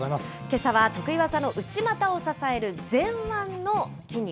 けさは得意技の内股を支える前腕の筋肉。